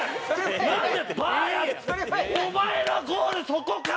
お前のゴールそこか！？